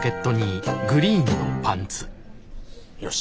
よし。